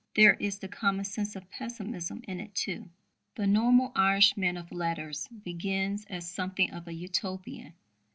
There is the commonsense of pessimism in it too. The normal Irish man of letters begins as something of a Utopian.